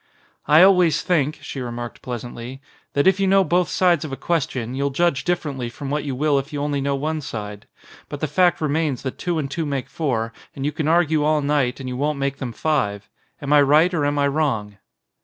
"I always think," she remarked pleasantly, "that if you know both sides of a question you'll judge differently from what you will if you only know one side. But the fact remains that two and two make four and you can argue all night and you won't make them five. Am I right or am I wrong?"